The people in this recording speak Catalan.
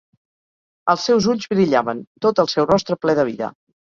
Els seus ulls brillaven, tot el seu rostre ple de vida.